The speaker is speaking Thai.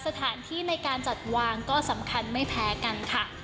สถานที่ในการจัดวางก็สำคัญไม่แพ้กันค่ะ